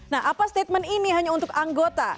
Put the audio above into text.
nah apa statement ini hanya untuk anggota